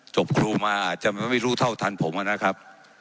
ครูมาอาจจะไม่รู้เท่าทันผมนะครับ